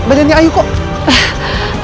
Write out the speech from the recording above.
badannya ayu kok